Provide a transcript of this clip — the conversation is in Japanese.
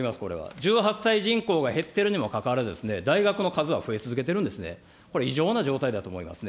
１８歳人口が減っているにもかかわらず、大学の数は増え続けてるんですね、これ異常な状態だと思いますね。